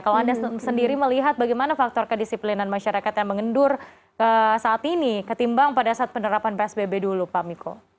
kalau anda sendiri melihat bagaimana faktor kedisiplinan masyarakat yang mengendur saat ini ketimbang pada saat penerapan psbb dulu pak miko